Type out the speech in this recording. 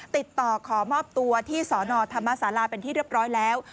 ติดต่อขอมอบตัวที่สนธรรมศาลาเป็นที่เรียบร้อยแล้ว